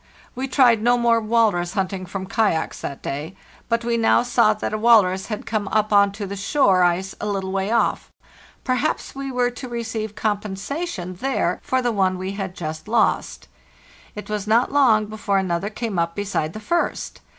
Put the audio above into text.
We tried no more walrus hunting from kayaks that day; but we now saw that a walrus had come up on to the shore ice a little way off. Perhaps we were to receive com pensation there for the one we had just lost. It was not long before another came up beside the first.